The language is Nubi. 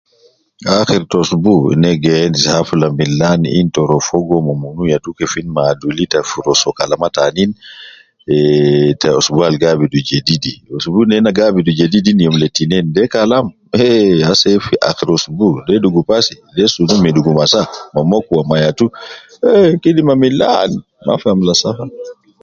Akhir te ousbu, na gi endis hafla milan in toro fogo me munu yatu kefin ma adul ita fi rua soo kalama tanin, fi, ta ousbu al gi abidu jedidi, ousbu nena gi abidu jedidi in youm le tinin, de Kalam heh, ya ase fi akhir ousbu de dugu pasi, de sun me dugu gumasa ma mokwa ma yatu, eh kidima milan Mafi amula safa